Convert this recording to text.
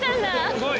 すごい！